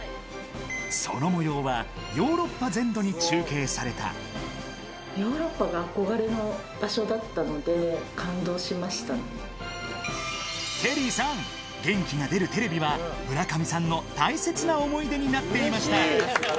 そのもようはヨーロッパ全土に中ヨーロッパが憧れの場所だっテリーさん、元気が出るテレビは、村上さんの大切な思い出になっていました。